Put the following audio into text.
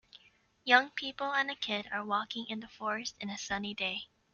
Young people and a kid are walking in the forest in a sunny day.